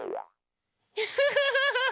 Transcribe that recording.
フフフフフ。